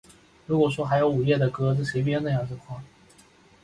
如果说还有午夜的歌